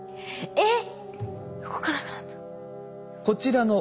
えっ。